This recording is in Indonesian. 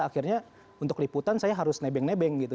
akhirnya untuk liputan saya harus nebeng nebeng gitu